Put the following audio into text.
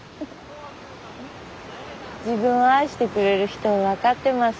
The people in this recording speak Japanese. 自分を愛してくれる人を分かってます。